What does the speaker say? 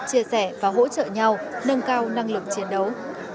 chia sẻ và hỗ trợ nhau nâng cao năng lực chiến đấu